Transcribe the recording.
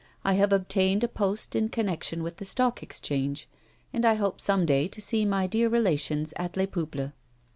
"I have obtained a post in con nection with the Stock Exchange, and I hope some day to see my dear relations at Les Peuples."